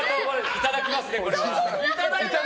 いただきますね、これは。